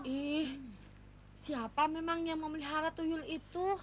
ih siapa memang yang memelihara tuyu itu